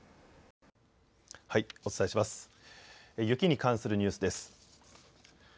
雪に関するニュースです。